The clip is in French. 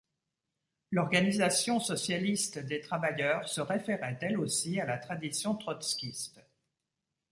L'Organisation socialiste des travailleurs se référait elle aussi à la tradition trotskyste.